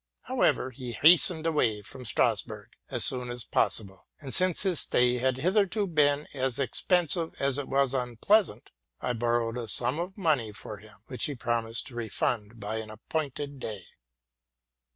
However, he hastened away from Strasburg as soon as possi ble; and, since his stay had hitherto been as expensive as it was unpleasant, I borrowed a sum of money for him, which he promised to refund by an appointed day.